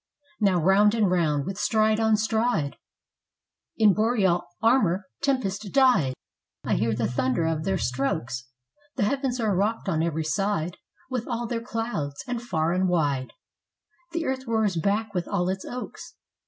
Now round and round, with stride on stride, In Boreal armor, tempest dyed, I hear the thunder of their strokes The heavens are rocked on every side With all their clouds; and far and wide The earth roars back with all its oaks....